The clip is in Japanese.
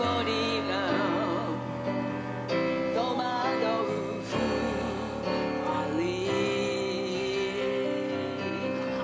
「とまどうふたり」